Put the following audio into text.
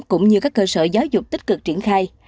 cũng như các cơ sở giáo dục tích cực triển khai